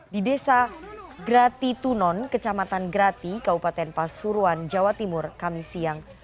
di desa grati tunon kecamatan grati kabupaten pasuruan jawa timur kami siang